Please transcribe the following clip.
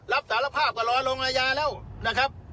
รับสารภาพก็รอลงอาญาแล้วนะครับ